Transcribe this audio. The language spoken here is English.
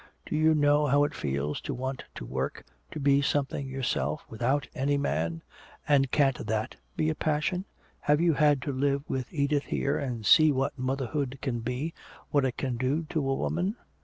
Do you know how it feels to want to work, to be something yourself, without any man? And can't that be a passion? Have you had to live with Edith here and see what motherhood can be, what it can do to a woman?